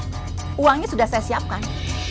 uangnya sudah saya siapkan